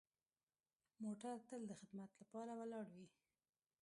موټر تل د خدمت لپاره ولاړ وي.